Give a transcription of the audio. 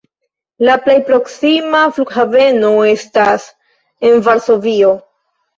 La plej proksima flughaveno estas en Varsovio.